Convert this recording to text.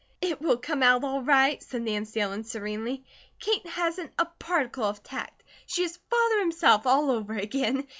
"It will come out all right," said Nancy Ellen, serenely. "Kate hasn't a particle of tact. She is Father himself, all over again.